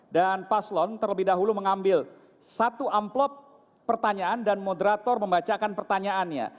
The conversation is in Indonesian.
dan paslon terlebih dahulu mengambil satu amplop pertanyaan dan moderator membacakan pertanyaannya